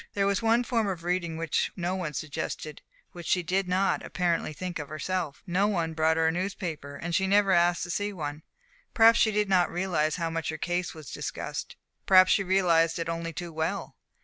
There was one form of reading which no one suggested, which she did not, apparently, think of herself. No one brought her a newspaper, and she never asked to see one. Perhaps she did not realize how much her case was discussed, perhaps she realized it only too well.